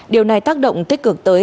điều này tác động tích cực tới